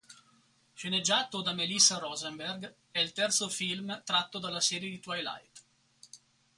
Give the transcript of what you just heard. Sceneggiato da Melissa Rosenberg, è il terzo film tratto dalla serie di Twilight.